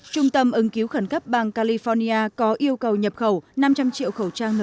trung tâm ứng cứu khẩn cấp bang california có yêu cầu nhập khẩu năm trăm linh triệu khẩu trang n chín mươi năm